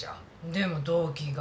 でも動機が。